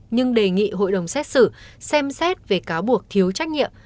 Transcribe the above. nhưng đề nghị hội đồng xét xử xem xét về cáo buộc thiếu trách nhiệm